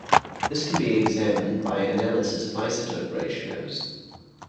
This can be examined by analysis of isotope ratios.